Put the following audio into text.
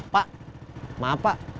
pak maaf pak